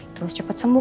terus cepet sembuh